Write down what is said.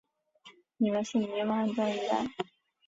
你们是迷惘的一代。